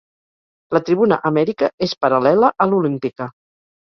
La tribuna "Amèrica" és paral·lela a l'"Olímpica".